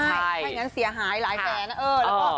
ถ้าอย่างงั้นเสียหายหลายแฟนแล้วก็